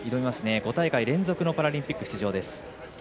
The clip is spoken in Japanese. ５大会連続のパラリンピック出場です。